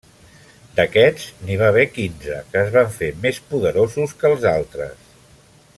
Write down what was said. D'aquests n'hi va haver quinze que es van fer més poderosos que els altres.